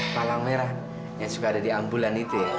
palang merah yang suka ada di ambulan itu ya